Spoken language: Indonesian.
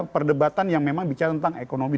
perdebatan yang memang bicara tentang ekonomi